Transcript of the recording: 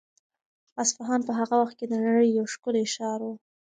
اصفهان په هغه وخت کې د نړۍ یو ښکلی ښار و.